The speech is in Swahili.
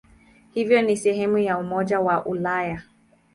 Hivyo ni sehemu ya Umoja wa Ulaya.